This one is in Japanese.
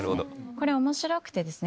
これ面白くてですね